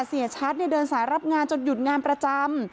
เสียชัดเดินสายรับงานจนหยุดงานประจำ